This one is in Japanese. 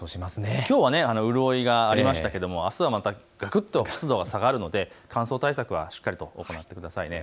きょうは潤いがありましたけれども、あすはまたがくっと湿度が下がるので乾燥対策はしっかり行ってください。